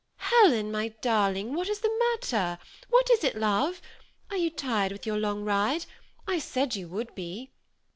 " Helen, my darling, what is the matter ? what is it, love ? Are you tired with your long ride ? I said you would be."